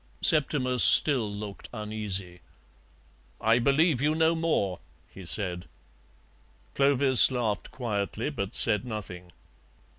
Septimus still looked uneasy. "I believe you know more," he said. Clovis laughed quietly, but said nothing.